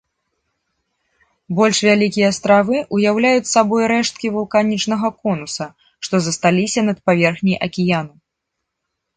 Больш вялікія астравы ўяўляюць сабою рэшткі вулканічнага конуса, што засталіся над паверхняй акіяну.